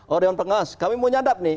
oh dewan pengas kami mau nyadap nih